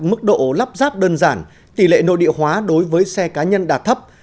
mức độ lắp ráp đơn giản tỷ lệ nội địa hóa đối với xe cá nhân đạt thấp